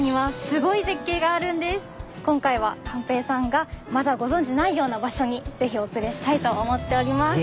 今回は寛平さんがまだご存じないような場所にぜひお連れしたいと思っております。